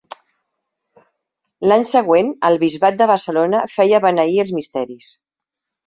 L'any següent, el bisbat de Barcelona, feia beneir els misteris.